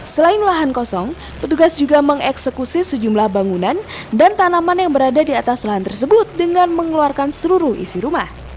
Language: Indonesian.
selain lahan kosong petugas juga mengeksekusi sejumlah bangunan dan tanaman yang berada di atas lahan tersebut dengan mengeluarkan seluruh isi rumah